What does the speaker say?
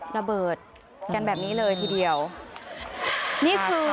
ระเบิดกันแบบนี้เลยทีเดียวนี่คือ